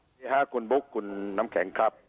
นี่ค่ะคุณบุ๊คคุณน้ำแข็งครับ